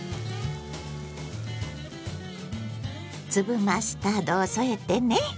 粒マスタードを添えてね。